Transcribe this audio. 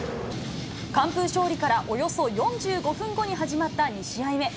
完封勝利から、およそ４５分後に始まった２試合目。